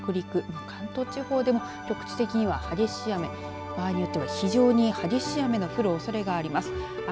また夜には近畿、東海北陸、関東地方でも局地的には激しい雨場合によっては非常に激しい雨の降るおそれがあります。